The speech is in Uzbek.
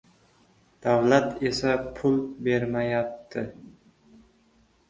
Davlat esa pul bermayapti.